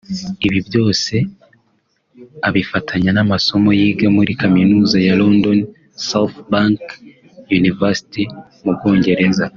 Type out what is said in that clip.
Ibi byose abifatanya n’amasomo yiga muri Kaminuza ya London South Bank University mu Bwongereza